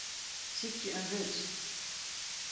Sykje in wurd.